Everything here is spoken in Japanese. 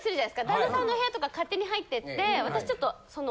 旦那さんの部屋とか勝手に入ってって私ちょっとその。